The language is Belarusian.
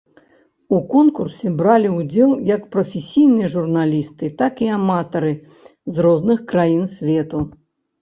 У конкурсе бралі ўдзел як прафесійныя журналісты, так і аматары з розных краін свету.